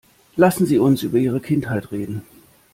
Lassen Sie uns über Ihre Kindheit reden.